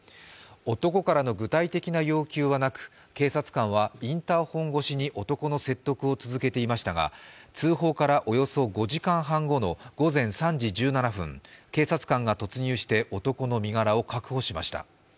男からの具体的な要求はなく警察官はインターホン越しに男の説得を続けていましたが通報からおよそ５時間半後の午前３時１７分警察官が突入して男の身柄を確保しました。